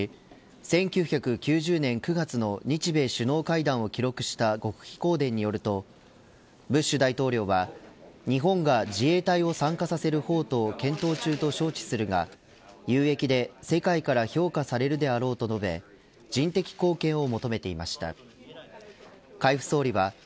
１９９０年９月の日米首脳会談を記録した極秘公電によるとブッシュ大統領は日本が自衛隊を参加させる方途を検討中と招致するが有益で、世界から評価されるであろうと述べ人的貢献を求めていました。